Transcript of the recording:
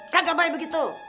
kagak baik begitu